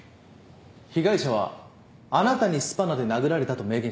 被害者はあなたにスパナで殴られたと明言しています。